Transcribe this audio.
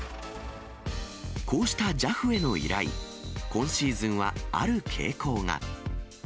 こうしたＪＡＦへの依頼、今シーズンはある傾向が。